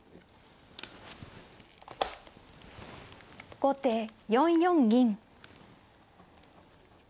後手４四銀。